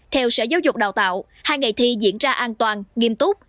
theo sở giáo dục đào tạo hai ngày thi diễn ra an toàn nghiêm túc